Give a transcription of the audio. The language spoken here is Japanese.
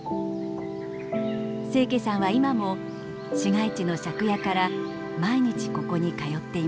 清家さんは今も市街地の借家から毎日ここに通っています。